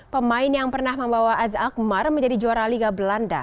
pemain yang pernah membawa azakmar menjadi juara liga belanda